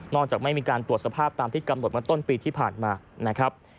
จากไม่มีการตรวจสภาพตามที่กำหนดมาต้นปีที่ผ่านมานะครับ